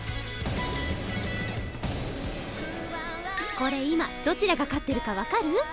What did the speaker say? これ今どちらが勝ってるか分かる？